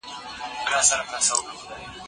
ساینسي وسایل د کار سرعت زیاتوي.